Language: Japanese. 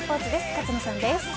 勝野さんです。